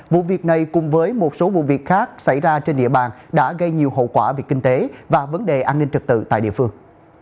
vụ việc này cùng với một số vụ việc khác xảy ra trên địa bàn đã gây nhiều hậu quả về kinh tế và vấn đề an ninh trực tự tại địa phương